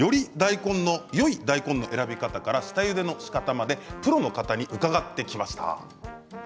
よい大根の選び方から下ゆでのしかたまでプロの方に伺ってきました。